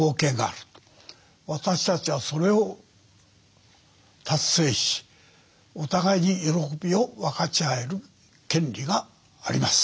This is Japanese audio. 私たちはそれを達成しお互いに喜びを分かち合える権利があります。